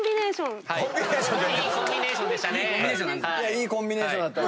いいコンビネーションでしたね。